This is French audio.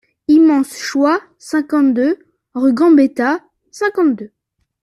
Immense choix cinquante-deux, rue Gambetta, cinquante-deux.